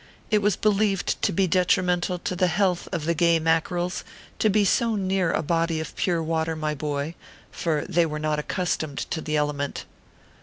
It was believed to be detrimental to the health of the gay Mackerels to be so near a body of pure water, my boy, for they were not accustomed to the element.